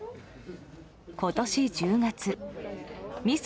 今年１０月ミス